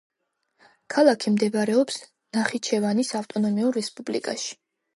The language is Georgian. ქალაქი მდებარეობს ნახიჩევანის ავტონომიურ რესპუბლიკაში.